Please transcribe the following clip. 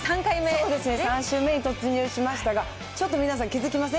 そうですね、３週目に突入しましたが、ちょっと皆さん、気付きません？